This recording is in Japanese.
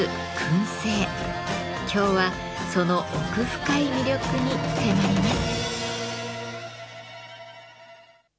今日はその奥深い魅力に迫ります。